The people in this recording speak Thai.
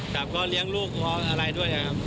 แต่ก็เลี้ยงลูกอะไรด้วยครับ